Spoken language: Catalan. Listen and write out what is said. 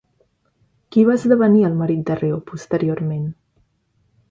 Qui va esdevenir el marit de Reo posteriorment?